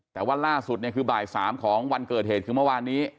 แต่ว่าล่าสุดเนี่ยคือบ่าย๓ของวันเกิดเหตุคือเมื่อวานนี้